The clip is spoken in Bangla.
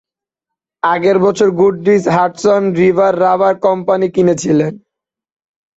আগের বছর Goodrich Hudson River rubber company কিনেছিলেন।